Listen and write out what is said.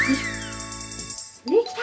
できた！